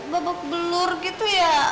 babak belur gitu ya